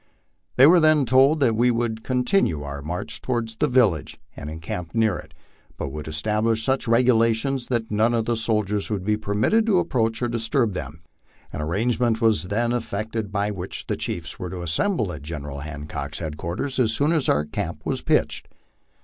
They were then told that we would con tinue our march toward the village, and encamp near it, but would establish such regulations that none of the soldiers would be permitted to approach or disturb them. An arrangement was then effected by which the chiefs were to assemble at General Hancock's headquarters as soon as our camp was pitched.